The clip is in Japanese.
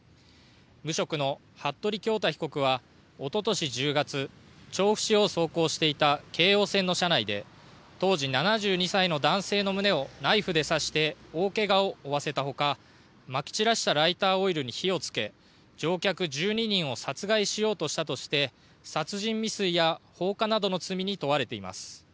無職の服部恭太被告はおととし１０月調布市を走行していた京王線の車内で当時７２歳の男性の胸をナイフで刺して大けがを負わせたほかまき散らしてライターオイルに火をつけ乗客１２人を殺害しようとしたとして殺人未遂や放火などの罪に問われています。